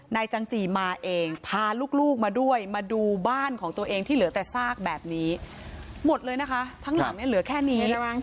จังจีมาเองพาลูกมาด้วยมาดูบ้านของตัวเองที่เหลือแต่ซากแบบนี้หมดเลยนะคะทั้งหลังเนี่ยเหลือแค่นี้